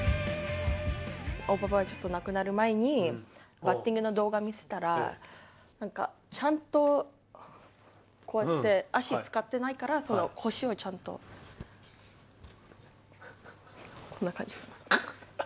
大パパがちょっと亡くなる前に、バッティングの動画見せたら、ちゃんとこうやって、脚を使ってないから、腰をちゃんと、こんな感じ。